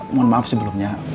mohon maaf sebelumnya